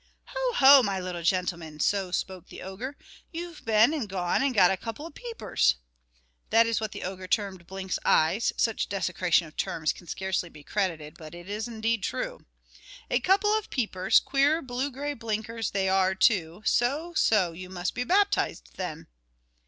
"Ho! ho! my little gentleman," so spoke the ogre; "you've been and gone and got a couple of peepers" (that is what the ogre termed Blinks's eyes, such desecration of terms can scarcely be credited, but it is indeed true), "a couple of peepers, queer blue grey blinkers they are too; so, so, you must be baptized, then."